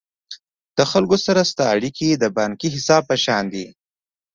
د خلکو سره ستا اړیکي د بانکي حساب په شان دي.